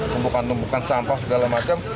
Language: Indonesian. tumbukan tumbukan sampah segala macam